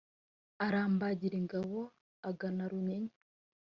arambagire ingabo agana runyinya